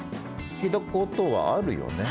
聞いたことはあるよね？